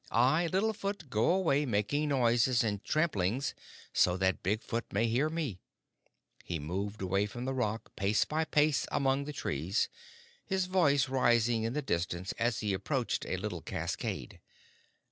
I, Little Foot, go away making noises and tramplings so that Big Foot may hear me." He moved away from the rock pace by pace among the trees, his voice rising in the distance as he approached a little cascade.